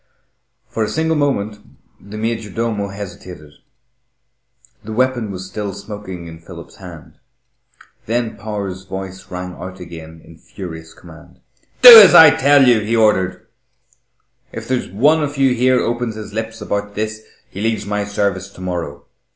For a single moment the major domo hesitated. The weapon was still smoking in Philip's hand. Then Power's voice rang out again in furious command. "Do as I tell you," he ordered. "If there's one of you here opens his lips about this, he leaves my service to morrow.